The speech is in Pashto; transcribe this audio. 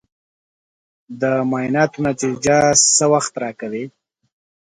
د معاینات نتیجه څه وخت راکوې؟